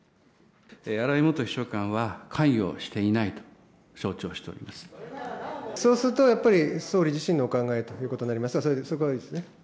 荒井元秘書官は関与していなそうするとやっぱり、総理自身のお考えということになりますが、そこはいいですね。